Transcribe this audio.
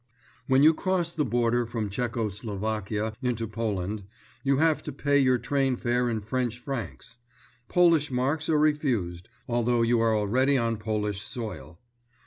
When you cross the border from Czecho Slovakia into Poland, you have to pay your train fare in French francs. Polish marks are refused, although you are already on Polish soil.